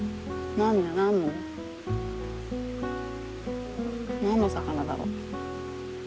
何の魚だろう？